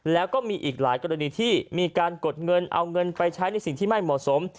แล้วก็มีอีกหลายกรณีที่มีการกดเงินเอาเงินไปใช้ในสิ่งที่ไม่เหมาะสม